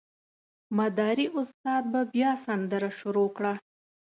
مداري استاد به بیا سندره شروع کړه.